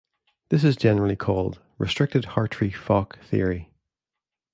This is generally called Restricted Hartree-Fock theory.